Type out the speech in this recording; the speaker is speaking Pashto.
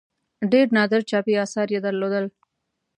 ډېر نادر چاپي آثار یې درلودل.